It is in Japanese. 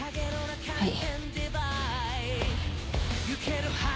はい。